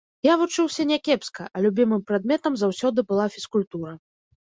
Я вучыўся някепска, а любімым прадметам заўсёды была фізкультура.